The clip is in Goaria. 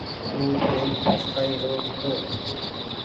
او ٽيم سستآئي رو هيتو۔